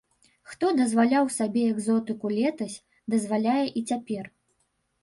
Хто дазваляў сабе экзотыку летась, дазваляе і цяпер.